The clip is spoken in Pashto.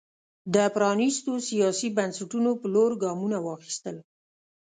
د پرانېستو سیاسي بنسټونو پر لور ګامونه واخیستل.